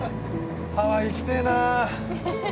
ハワイ行きてえな。